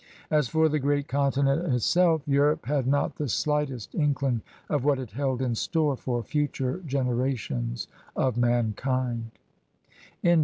As for the great continent itself, Europe had not the slightest inkling of what it held in store for future genera tions of mankind.